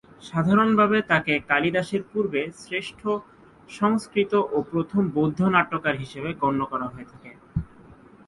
সাধারণভাবে তাকে কালিদাসের পূর্বে শ্রেষ্ঠ সংস্কৃত ও প্রথম বৌদ্ধ নাট্যকার হিসেবে গণ্য করা হয়ে থাকে।